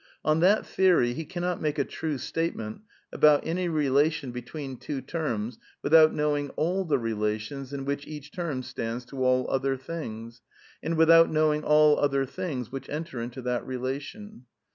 On that theory he cannot make a feue statement about any relation between two terms without knowing ail the relations in which each term stands to all other things, and without knowing all other things which enter into that relation.